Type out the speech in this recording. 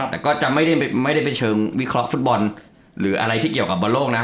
แต่ก็จะไม่ได้เป็นเชิงวิเคราะห์ฟุตบอลหรืออะไรที่เกี่ยวกับบอลโลกนะ